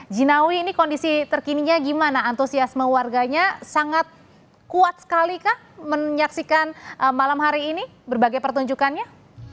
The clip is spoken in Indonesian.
jinawi ini kondisi terkininya gimana antusiasme warganya sangat kuat sekali kah menyaksikan malam hari ini berbagai pertunjukannya